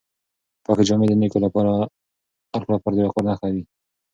پاکې جامې د نېکو خلکو لپاره د وقار نښه وي.